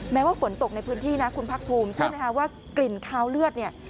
แม้ว่าฝนตกในพื้นที่นะคุณพักภูมิเชื่อไหมคะว่ากลิ่นคาวเลือดเนี่ย